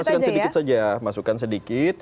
masukkan sedikit saja masukkan sedikit